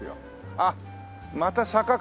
あっまた坂か。